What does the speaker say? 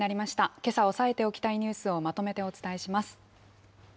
けさ押さえておきたいニュースをまとめてお伝えします。